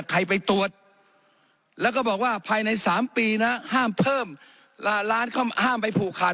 ไปตรวจแล้วก็บอกว่าภายใน๓ปีนะห้ามเพิ่มล้านห้ามไปผูกขาด